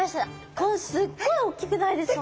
すっごいおっきくないですか？